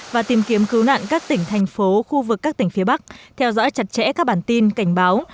và tìm kiếm cứu nạn các tỉnh thành phố khu vực các tỉnh phía bắc theo dõi chặt chẽ các bản tin cảnh báo